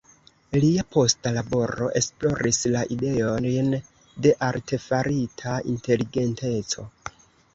Lia posta laboro esploris la ideojn de artefarita inteligenteco.